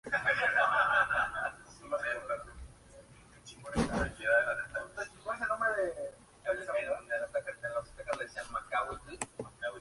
Está a cargo de la Prefectura de Ehime.